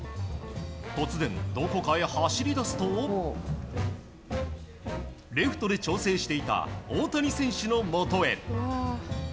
突然どこかへ走り出すとレフトで調整していた大谷選手のもとへ。